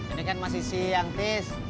ini kan masih siang tis